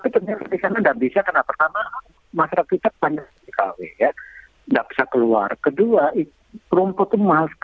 karena itu kalau ada tamu